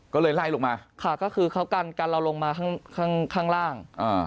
ก็เลยไล่ลงมาค่ะก็คือเขากันกันเราลงมาข้างข้างล่าง